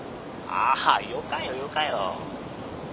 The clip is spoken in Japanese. ああよかよよかよ。